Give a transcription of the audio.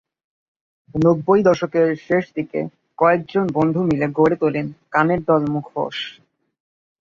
নব্বই দশকের শেষ দিকে কয়েকজন বন্ধু মিলে গড়ে তোলেন গানের দল ‘মুখোশ’।